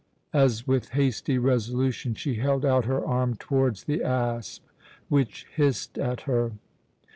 as with hasty resolution she held out her arm towards the asp, which hissed at her.